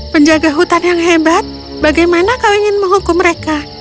penjaga hutan yang hebat bagaimana kau ingin menghukum mereka